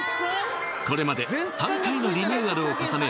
これまで３回のリニューアルを重ね